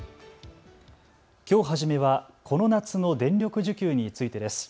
きょう初めはこの夏の電力需給についてです。